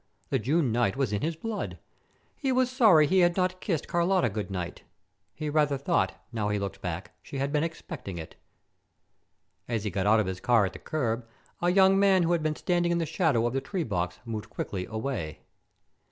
The June night was in his blood. He was sorry he had not kissed Carlotta good night. He rather thought, now he looked back, she had expected it. As he got out of his car at the curb, a young man who had been standing in the shadow of the tree box moved quickly away.